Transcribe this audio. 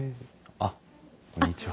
あっこんにちは。